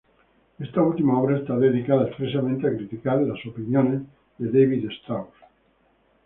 Esta última obra está dedicada expresamente a criticar las opiniones de David Strauss.